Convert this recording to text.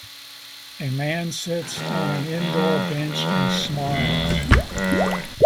A man sits on an indoor bench and smiles.